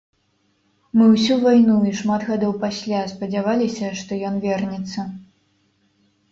Мы ўсю вайну і шмат гадоў пасля спадзяваліся, што ён вернецца.